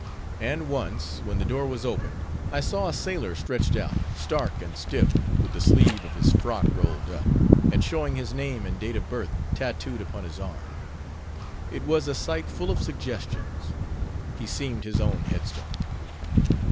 And once, when the door was opened, I saw a sailor stretched out, stark and stiff, with the sleeve of his frock rolled up, and showing his name and date of birth tattooed upon his arm. It was a sight full of suggestions; he seemed his own headstone.